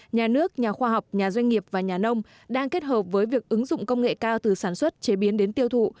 nhà nước nhà khoa học nhà doanh nghiệp và nhà nông đang kết hợp với việc ứng dụng công nghệ cao từ sản xuất chế biến đến tiêu thụ